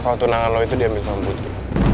kalau tunangan lo itu diambil sama putri